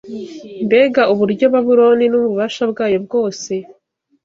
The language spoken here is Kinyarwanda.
Mbega uburyo Babuloni, n’ububasha bwayo bwose